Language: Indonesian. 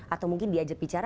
atau mungkin diajak bicara